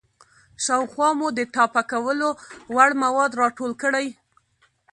شاوخوا مو د ټاپه کولو وړ مواد راټول کړئ.